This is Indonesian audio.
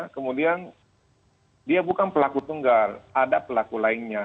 kemudian dia bukan pelaku tunggal ada pelaku lainnya